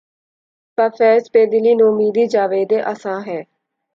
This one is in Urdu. بہ فیض بیدلی نومیدیٴ جاوید آساں ہے